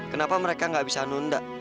kenapa mereka nggak bisa nunda